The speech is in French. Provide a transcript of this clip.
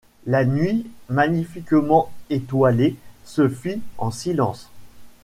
La nuit magnifiquement étoilée se fit en silence.